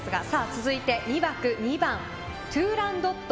続いて２枠２番トゥーランドット